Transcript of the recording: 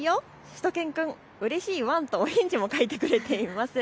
しゅと犬くん、うれしいワンと書いてくれています。